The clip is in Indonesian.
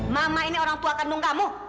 mama ini orang tua kandung kamu